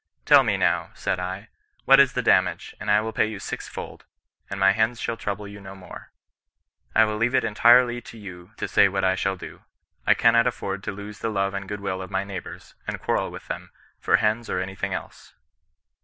Tell me now, said I, what is the damage, and I will pay you sixfold ; and my hens shall trouble you no more. I will leave it entirely to you to say what I shall do. I cannot afford to lose the 100 CHRI8TI1H VON RBSISTANCB. love and good will of my neighbours, and quarrel with them, for hens or anything else.